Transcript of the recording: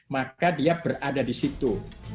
maka dia berada di situ